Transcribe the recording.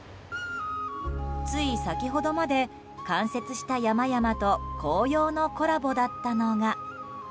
つい先ほどまで、冠雪した山々と紅葉のコラボだったのが。